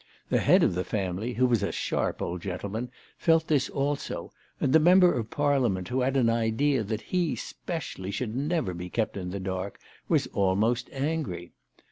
The head of the family, who was a sharp old gentleman, felt this also, and the member of Parliament, who had an idea that he specially should never be kept in the dark, was almost angry.